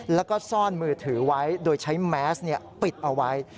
แล้วก็ซ่อนมือถือไว้โดยใช้แมสปิดเอาไว้